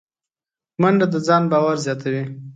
منډه د ځان باور زیاتوي